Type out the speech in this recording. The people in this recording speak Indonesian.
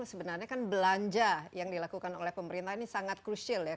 sebenarnya kan belanja yang dilakukan oleh pemerintah ini sangat krusial ya